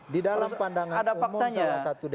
di dalam pandangan umum salah satu